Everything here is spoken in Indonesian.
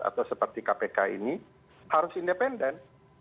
atau seperti kpk ini harus independen